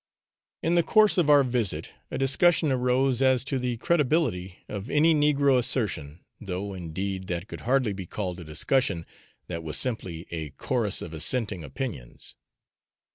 In the course of our visit a discussion arose as to the credibility of any negro assertion, though, indeed, that could hardly be called a discussion that was simply a chorus of assenting opinions.